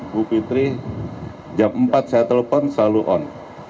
bu fitri jam empat saya telepon selalu on